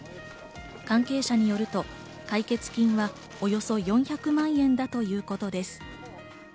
関係者によると解決金はおよそ４００万円だということです。